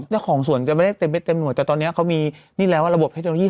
ชัวร์งรสสวนจะไม่ได้เต็มแต่ตอนนี้เขามีเงี้ยวว่าระบบเทคโนโลยี